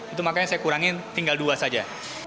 itu makanya saya kurangin tinggal dua saja